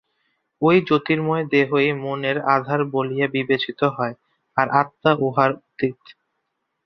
ঐ জ্যোতির্ময় দেহই মনের আধার বলিয়া বিবেচিত হয়, আর আত্মা উহার অতীত।